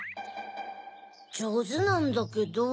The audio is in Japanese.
じょうずなんだけど。